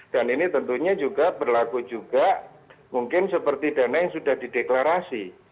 dan ini tentunya juga berlaku juga mungkin seperti dana yang sudah dideklarasi